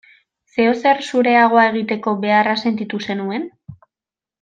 Zeozer zureagoa egiteko beharra sentitu zenuen?